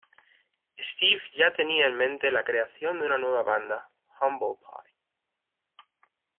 Steve ya tenía en mente la creación de una nueva banda, Humble Pie.